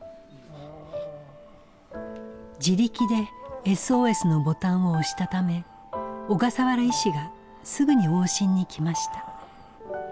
自力でＳＯＳのボタンを押したため小笠原医師がすぐに往診に来ました。